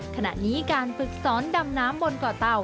ขณะนี้การฝึกสอนดำน้ำบนเกาะเต่า